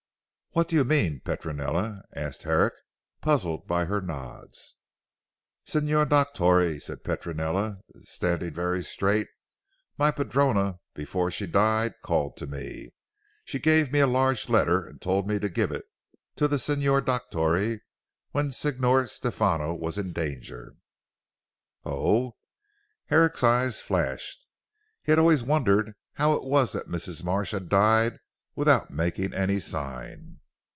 "What do you mean Petronella?" asked Herrick puzzled by her nods. "Signor Dottore," said Petronella standing very straight, "my padrona before she died called to me. She gave me a large letter, and told me to give it to the Signor Dottore when Signor Stefano was in danger." "Oh!" Herrick's eyes flashed. He had always wondered how it was that Mrs. Marsh had died without making any sign.